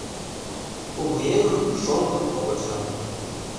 Кугыеҥым, шоҥгым огыт жапле.